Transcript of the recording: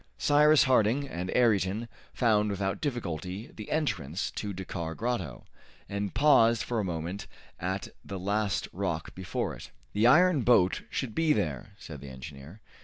Cyrus Harding and Ayrton found without difficulty the entrance to Dakkar Grotto, and paused for a moment at the last rock before it. "The iron boat should be there," said the engineer.